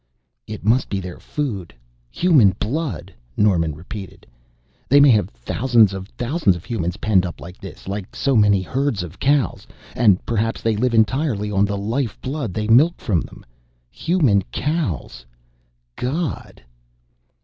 "It must be their food human blood!" Norman repeated. "They may have thousands on thousands of humans penned up like this, like so many herds of cows, and perhaps they live entirely on the life blood they milk from them. Human cows God!"